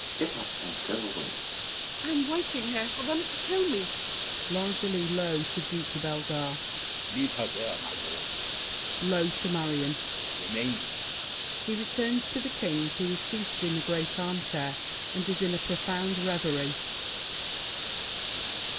Get up and go away! MARION. I'm waiting here For them to kill me! L'ANGELY (low to Duke de Bellegarde). Leave her there, my lord! [Low to Marion.] Remain! [He returns to The King, who is seated in the great armchair and is in a profound reverie.